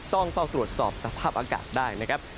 ต้องเฝ้าตรวจสอบสภาพอากาศได้นะครับ